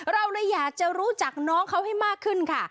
เราเลยอยากจะรู้จักน้องเขาให้มากขึ้นค่ะ